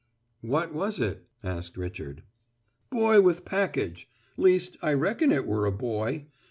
"What was it?" asked Richard. "Boy with package. Least, I reckon it were a boy.